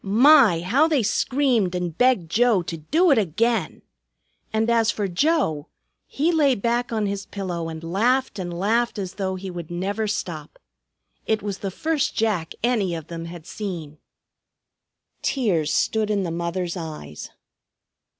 My! How they screamed and begged Joe to "do it again." And as for Joe, he lay back on his pillow and laughed and laughed as though he would never stop. It was the first Jack any of them had seen. Tears stood in the mother's eyes.